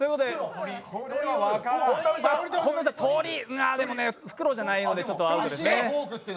本並さん鳥フクロウじゃないのでアウトですね。